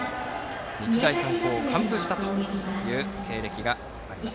日大三高を完封したという経歴があります。